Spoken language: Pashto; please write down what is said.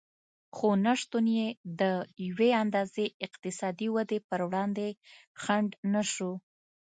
خو نشتون یې د یوې اندازې اقتصادي ودې پر وړاندې خنډ نه شو